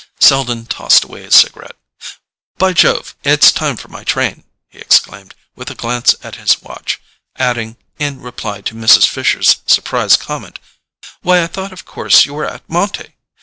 Selden tossed away his cigarette. "By Jove—it's time for my train," he exclaimed, with a glance at his watch; adding, in reply to Mrs. Fisher's surprised comment—"Why, I thought of course you were at Monte!"